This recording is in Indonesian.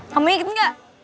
kamu inget gak